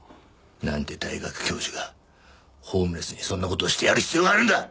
なんで大学教授がホームレスにそんな事をしてやる必要があるんだ！